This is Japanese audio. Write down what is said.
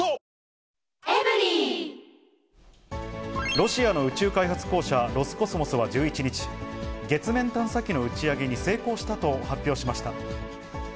ロシアの宇宙開発公社、ロスコスモスは１１日、月面探査機の打ち上げに成功したと発表しました。